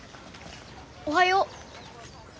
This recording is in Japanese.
おはよう。